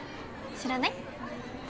知らない。